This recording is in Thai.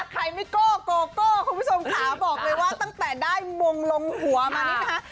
ใครไม่โก้โกโก้คุณผู้ชมค่ะบอกเลยว่าตั้งแต่ได้มงลงหัวมานี่นะคะ